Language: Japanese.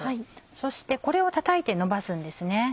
そしてこれをたたいてのばすんですね。